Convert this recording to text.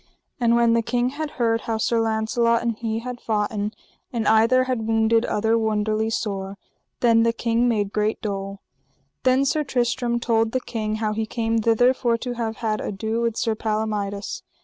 And when the king had heard how Sir Launcelot and he had foughten, and either had wounded other wonderly sore, then the king made great dole. Then Sir Tristram told the king how he came thither for to have had ado with Sir Palomides.